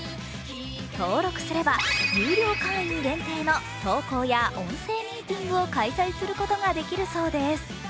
登録すれば有料会員限定の投稿や音声ミーティングを開催することができるそうです。